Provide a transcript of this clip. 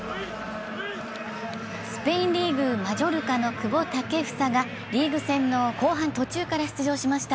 スペインリーグ、マジョルカの久保建英がリーグ戦の後半途中から出場しました。